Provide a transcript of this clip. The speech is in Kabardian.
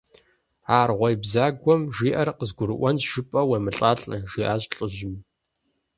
– А аргъуей бзагуэм жиӀэр къызгурыӀуэнщ жыпӀэу уемылӀалӀэ, – жиӀащ лӀыжьым.